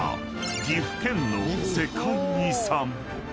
［岐阜県の世界遺産］